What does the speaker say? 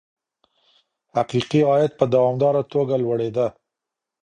حقيقي عايد په دوامداره توګه لوړېده.